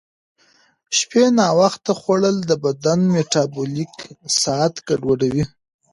شپې ناوخته خوړل د بدن میټابولیک ساعت ګډوډوي.